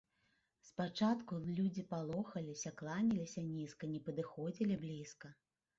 Спачатку людзі палохаліся, кланяліся нізка, не падыходзілі блізка.